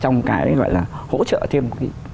trong cái gọi là hỗ trợ thêm